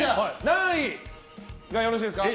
何位がよろしいですか？